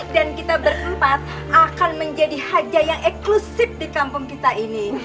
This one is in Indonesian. dan kita berkempat akan menjadi haja yang eklusif di kampung kita ini